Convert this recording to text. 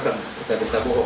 kita berita bohong